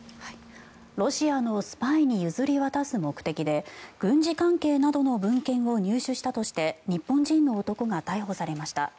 ロシアのスパイに譲り渡す目的で軍事関係などの文献を入手したとして日本人の男が逮捕されました。